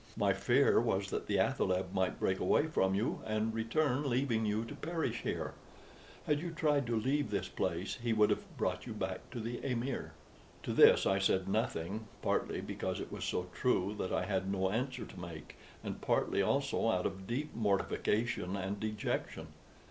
My fear was that the athaleb might break away from you and return, leaving you to perish here. Had you tried to leave this place he would have brought you back to the amir." To this I said nothing partly because it was so true that I had no answer to make, and partly also out of deep mortification and dejection.